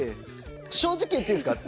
正直言っていいですか？